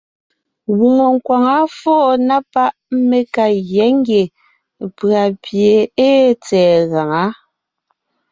Wɔɔn nkwaŋá fóo na páʼ mé ka gyá ngie pʉ̀a pie ée tsɛ̀ɛ gaŋá.